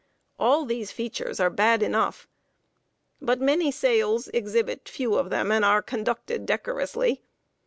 All these features are bad enough, but many sales exhibit few of them, and are conducted decorously.